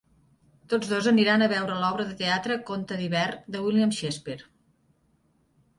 Tots dos aniran a veure l'obra de teatre Conte d'hivern de William Shakespeare.